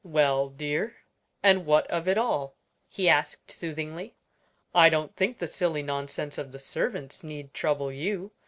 "Well, dear, and what of it all?" he asked, soothingly. "I don't think the silly nonsense of the servants need trouble you.